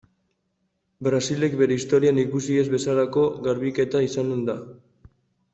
Brasilek bere historian ikusi ez bezalako garbiketa izanen da.